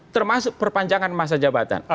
termasuk perpanjangan masa jabatan